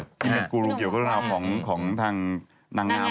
ที่เป็นกูรูแก่วราวของทางหนังงาม